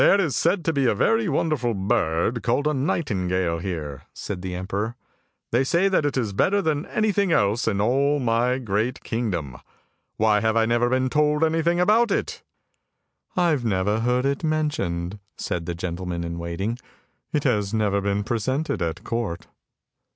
" There is said to be a very wonderful bird called a nightin gale here," said the emperor. " They say that it is better than anything else in all my great kingdom! Why have I never been told anything about it? "" I have never heard it mentioned," said the gentleman in waiting. " It has never been presented at court."